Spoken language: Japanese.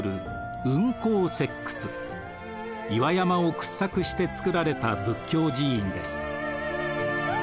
岩山を掘削して造られた仏教寺院です。